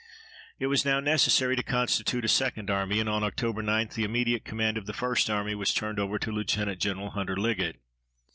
It was now necessary to constitute a second army, and on Oct. 9 the immediate command of the First Army was turned over to Lieut. Gen. Hunter Liggett.